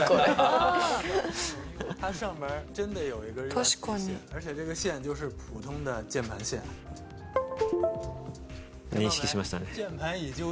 確かに。認識しましたね。